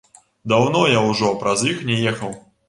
Даўно я ўжо праз іх не ехаў.